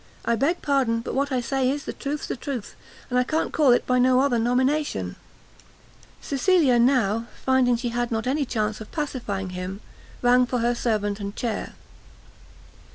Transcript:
I beg pardon, but what I say is, the truth's the truth, and I can't call it by no other nomination." Cecilia now, finding she had not any chance of pacifying him, rang for her servant and chair.